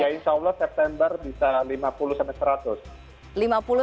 ya insya allah september bisa lima puluh sampai seratus